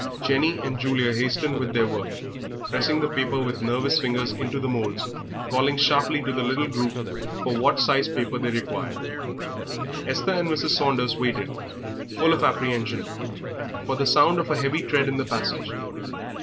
Jenny and Julia hastened with their work, pressing the paper with nervous fingers into the moulds, calling sharply to the little group for what sized paper they required. Esther and Mrs. Saunders waited, full of apprehension, for the sound of a heavy tread in the passage.